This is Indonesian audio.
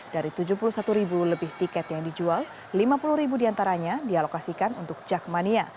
dari tujuh puluh satu ribu lebih tiket yang dijual lima puluh ribu diantaranya dialokasikan untuk jakmania